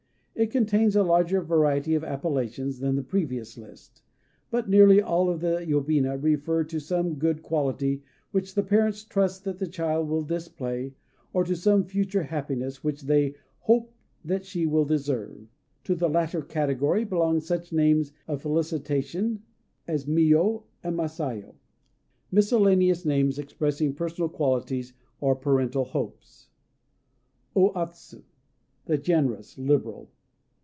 It contains a larger variety of appellations than the previous list; but nearly all of the yobina refer to some good quality which the parents trust that the child will display, or to some future happiness which they hope that she will deserve. To the latter category belong such names of felicitation as Miyo and Masayo. MISCELLANEOUS NAMES EXPRESSING PERSONAL QUALITIES, OR PARENTAL HOPES O Atsu "The Generous," liberal.